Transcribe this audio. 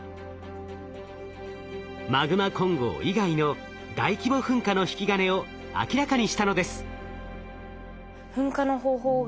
マグマ混合以外の大規模噴火の引き金を明らかにしたのです。